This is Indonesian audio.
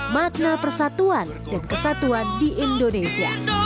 makna persatuan dan kesatuan di indonesia